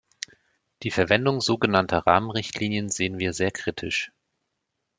Die Verwendung so genannter Rahmenrichtlinien sehen wir sehr kritisch.